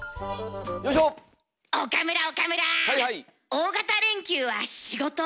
大型連休は仕事？